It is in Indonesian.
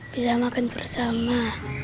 bisa makan bersama